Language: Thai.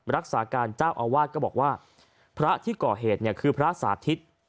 รักษาการเจ้าอาวาสก็บอกว่าพระที่ก่อเหตุเนี่ยคือพระสาธิต